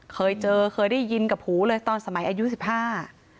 เคยเจอเคยได้ยินกับหูเลยตอนสมัยอายุสิบห้า